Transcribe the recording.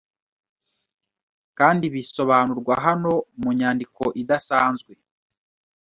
kandi bisobanurwa hano - mu nyandiko idasanzwe